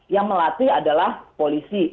yang melatih adalah polisi